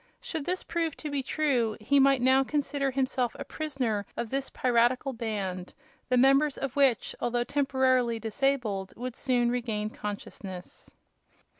Should this prove to be true, he might now consider himself a prisoner of this piratical band, the members of which, although temporarily disabled, would soon regain consciousness.